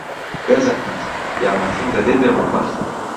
بێزەحمەت، یارمەتیم دەدەیت لە مەتبەخ؟